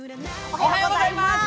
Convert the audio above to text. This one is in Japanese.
おはようございます！